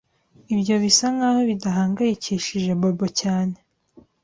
Ibyo bisa nkaho bidahangayikishije Bobo cyane.